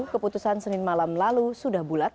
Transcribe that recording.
keputusan senin malam lalu sudah bulat